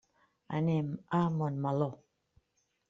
Anem a Montmeló.